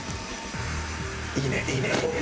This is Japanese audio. いいねいいねいいね！